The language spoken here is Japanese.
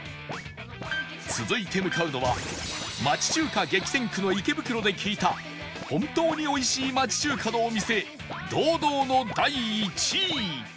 続いて向かうのは町中華激戦区の池袋で聞いた本当においしい町中華のお店堂々の第１位！